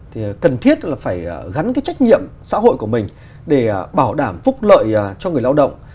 thì cần thiết là phải gắn cái trách nhiệm xã hội của mình để bảo đảm phúc lợi cho người lao động